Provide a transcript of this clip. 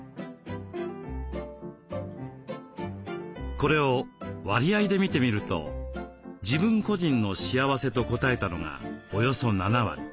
これを割合で見てみると「自分個人の幸せ」と答えたのがおよそ７割。